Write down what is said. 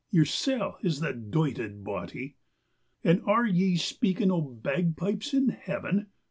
Yersel' is the doited body. "And are ye speaking o' bagpipes in Heaven?